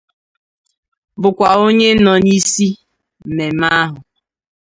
bụkwa onye nọ n'isi mmemme ahụ